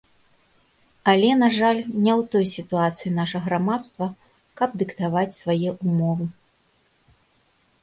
Але, на жаль, не ў той сітуацыі наша грамадства, каб дыктаваць свае ўмовы.